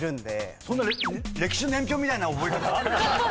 そんな歴史の年表みたいな覚え方ある？